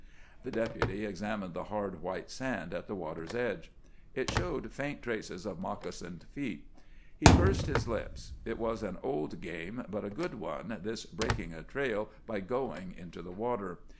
The Deputy examined the hard, white sand at the water's edge. It showed faint traces of moccasined feet. He pursed his lips. It was an old game, but a good one, this breaking a trail by going into the water.